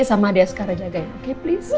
sama dia sekarang jagain oke please